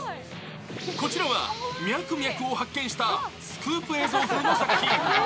こちらは、ミャクミャクを発見した、スクープ映像風の作品。